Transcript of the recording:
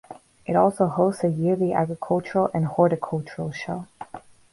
It also hosts a yearly agricultural and horticultural show.